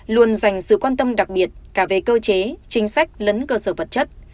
luôn dành sự quan tâm đặc biệt cả về cơ chế chính sách lẫn cơ sở vật chất